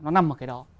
nó nằm ở cái đó